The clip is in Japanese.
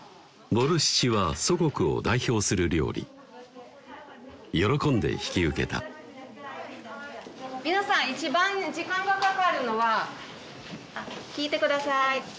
ボルシチは祖国を代表する料理喜んで引き受けた皆さん一番時間がかかるのは聞いてください